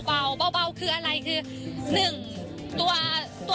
เพราะว่าเราเจ๊งมาเยอะ